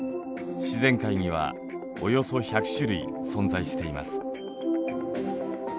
自然界にはおよそ１００種類存在しています。